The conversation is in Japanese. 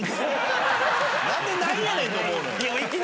何で「何やねん」と思うのよ。